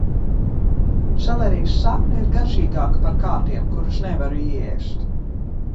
Selerijas sakne ir garšīgāka par kātiem, kurus nevaru ieēst.